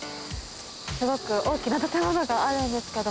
すごく大きな建物があるんですけど。